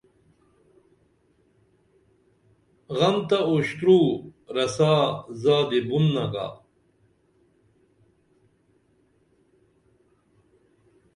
غم تہ اُشترو رسا زادی بُن نگا